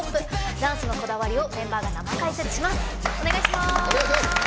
ダンスのこだわりをメンバーが解説します。